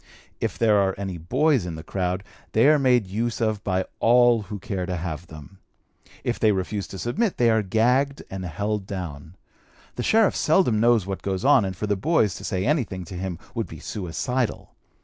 If there are any boys in the crowd, they are made use of by all who care to have them. If they refuse to submit, they are gagged and held down. The sheriff seldom knows what goes on, and for the boys to say anything to him would be suicidal.